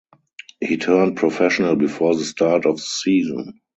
He turned professional before the start of the season.